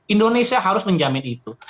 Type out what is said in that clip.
indonesia harus menjamin itu